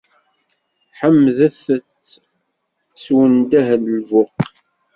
Ḥemdet- t s undah n lbuq!